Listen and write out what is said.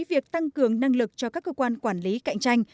việc tăng cường năng lực cho các cơ quan quản lý cạnh tranh